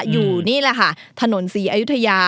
อยู่นี่แหละค่ะถนนศรีอยุธยา